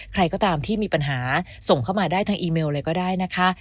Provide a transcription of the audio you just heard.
ใครก็ตามที่มีปัญหาส่งเข้ามาได้ทางอีเมลเลยก็ได้นะคะ